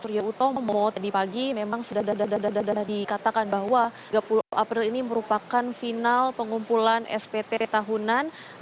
surya utomo tadi pagi memang sudah dikatakan bahwa tiga puluh april ini merupakan final pengumpulan spt tahunan